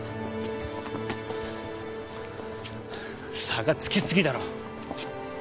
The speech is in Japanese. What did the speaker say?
差がつきすぎだろ。